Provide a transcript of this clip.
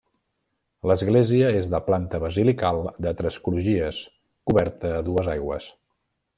L'església és de planta basilical de tres crugies coberta a dues aigües.